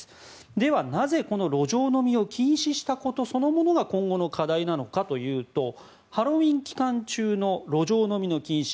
では、なぜこの路上飲みを禁止したことそのものが今後の課題なのかというとハロウィーン期間中の路上飲みの禁止